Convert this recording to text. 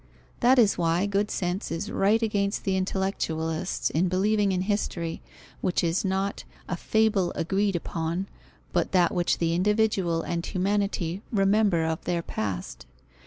That is why good sense is right against the intellectualists, in believing in history, which is not a "fable agreed upon," but that which the individual and humanity remember of their past.